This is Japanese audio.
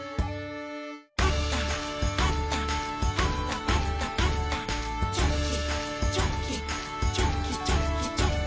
「パタパタパタパタパタ」「チョキチョキチョキチョキチョキ」